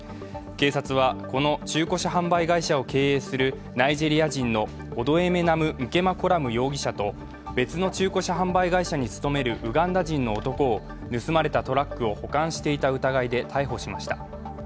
警察はこの中古車販売会社を経営するナイジェリア人のオドエメナム・ンケマコラム容疑者と別の中古車販売会社に勤めるウガンダ人の男を盗まれたトラックを保管していた疑いで逮捕しました。